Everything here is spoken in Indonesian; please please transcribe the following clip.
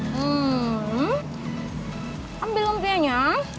hmm ambil lumpianya